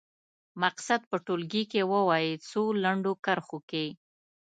مقصد په ټولګي کې ووايي څو لنډو کرښو کې.